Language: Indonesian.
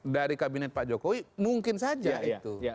dari kabinet pak jokowi mungkin saja itu